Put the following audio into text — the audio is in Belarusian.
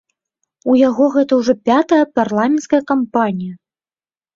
У яго гэта ўжо пятая парламенцкая кампанія!